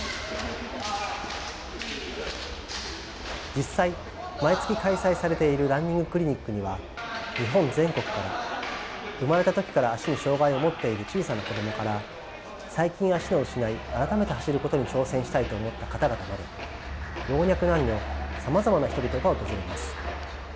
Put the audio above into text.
実際毎月開催されているランニングクリニックには日本全国から生まれた時から足に障害を持っている小さな子供から最近足を失い改めて走ることに挑戦したいと思った方々など老若男女さまざまな人々が訪れます。